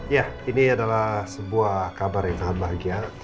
ya ini adalah sebuah kabar yang sangat bahagia